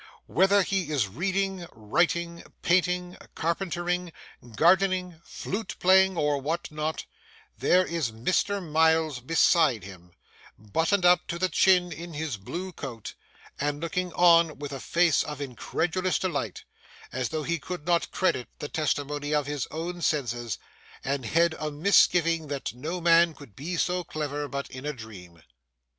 Whether he is reading, writing, painting, carpentering, gardening, flute playing, or what not, there is Mr. Miles beside him, buttoned up to the chin in his blue coat, and looking on with a face of incredulous delight, as though he could not credit the testimony of his own senses, and had a misgiving that no man could be so clever but in a dream.